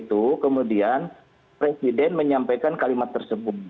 itu kemudian presiden menyampaikan kalimat tersebut